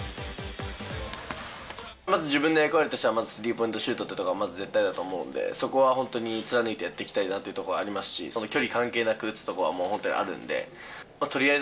まず自分の役割としては、スリーポイントシュートというところがまず絶対だと思うんで、そこは本当に貫いてやり抜いていきたいというところは距離関係なく、打つところは本当にあるんで。